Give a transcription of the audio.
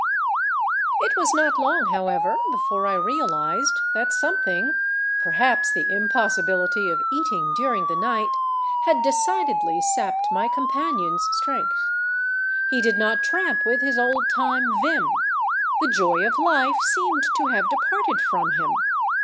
It was not long, however, before I realized that something, perhaps the impossibility of eating during the night, had decidedly sapped my companion's strength. He did not tramp with his old time vim; the joy of life seemed to have departed from him.